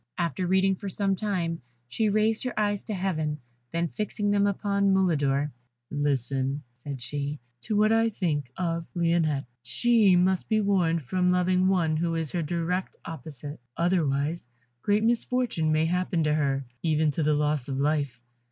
After reading for some time, she raised her eyes to Heaven, then fixing them upon Mulidor, "Listen," said she, "to what I think of Lionette. She must be warned from loving one who is her direct opposite, otherwise great misfortune may happen to her, even to the loss of life.